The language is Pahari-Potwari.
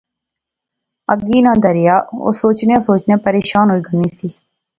اگی ناں دریا، او سوچنیاں سوچنیاں پریشان ہوئی گینی سی